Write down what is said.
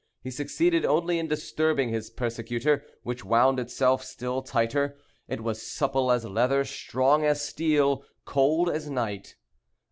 He succeeded only in disturbing his persecutor, which wound itself still tighter. It was supple as leather, strong as steel, cold as night.